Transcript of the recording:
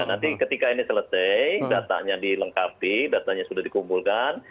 nanti ketika ini selesai datanya dilengkapi datanya sudah dikumpulkan